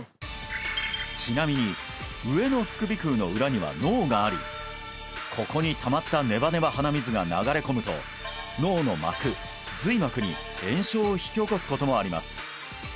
ちなみに上の副鼻腔の裏には脳がありここにたまったネバネバ鼻水が流れ込むと脳の膜髄膜に炎症を引き起こすこともあります